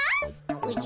おじゃ。